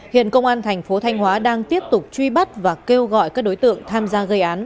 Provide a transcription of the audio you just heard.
hiện công an thành phố thanh hóa đang tiếp tục truy bắt và kêu gọi các đối tượng tham gia gây án